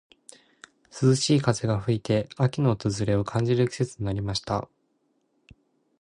涼しい風が吹いて、秋の訪れを感じる季節になりました。